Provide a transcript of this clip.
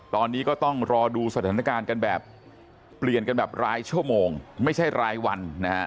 ตอนนี้ก็ต้องรอดูสถานการณ์กันแบบเปลี่ยนกันแบบรายชั่วโมงไม่ใช่รายวันนะฮะ